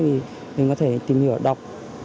để mình có thể tìm hiểu đọc